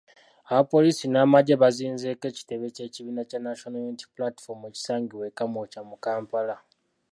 Abapoliisi n'amagye bazinzeeko ekitebe ky'ekibiina kya National Unity Platform ekisangibwa e Kamwokya mu Kampala.